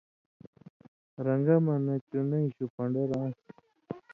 رن٘گہ مہ نہ چُنَیں شُوۡ پن٘ڈروۡ آن٘س